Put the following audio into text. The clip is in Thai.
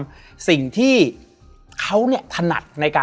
และวันนี้แขกรับเชิญที่จะมาเชิญที่เรา